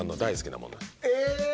え！